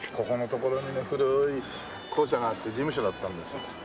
ここの所にね古い校舎があって事務所だったんですよ。